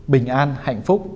bình an hạnh phúc